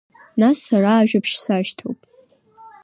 Нас сара ажәабжь сашьҭоуп.